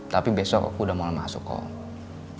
tapi besok aku udah malam masuk kok